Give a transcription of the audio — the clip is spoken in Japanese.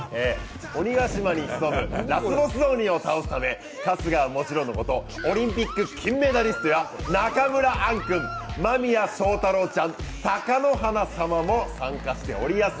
鬼ヶ島に潜むラスボス鬼を倒すため春日はもちろんのことオリンピック金メダリストや中村アン君、間宮祥太朗ちゃん、貴乃花様も参加しておりやす。